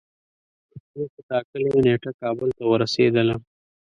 زه په ټاکلی نیټه کابل ته ورسیدلم